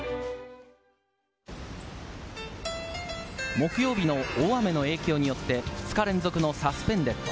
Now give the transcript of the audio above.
木曜日の大雨の影響によって、２日連続のサスペンデッド。